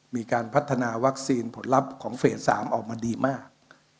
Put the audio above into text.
มีการพัฒนาวัคซีนผลลัพธ์ของเฟส๓ออกมาดีมาก